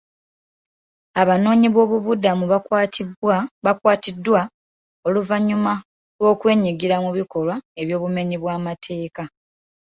Abanoonyi boobubudamu baakwatiddwa oluvannyuma lw'okwenyigira mu bikolwa by'obumenyi bw'amateeka.